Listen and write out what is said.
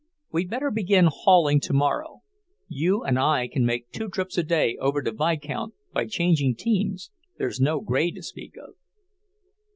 We'd better begin hauling tomorrow. You and I can make two trips a day over to Vicount, by changing teams, there's no grade to speak of."